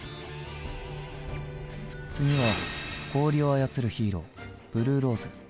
次は氷を操るヒーローブルーローズ。